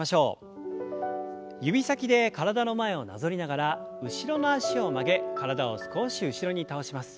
指先で体の前をなぞりながら後ろの脚を曲げ体を少し後ろに倒します。